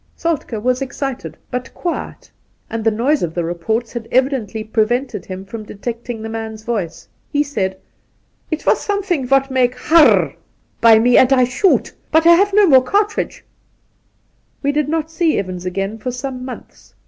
Soltk^ was excited, but quiet, and the noise of the reports had evidently pre vented him from detecting the man's voice. He said :' It was something what make " Har r r !'' by me, and I shoot ; but I haf no more cartridge.' We did not see Evans again for some months.